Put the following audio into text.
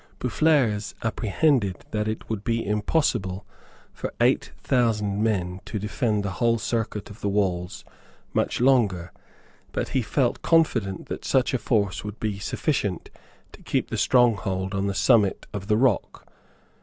Boufflers apprehended that it would be impossible for eight thousand men to defend the whole circuit of the walls much longer; but he felt confident that such a force would be sufficient to keep the stronghold on the summit of the rock.